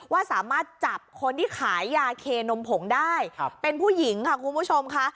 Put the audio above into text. ว่าสามารถจับคนที่ขายยาเคนมผงได้เป็นผู้หญิงค่ะคุณผู้ชมค่ะ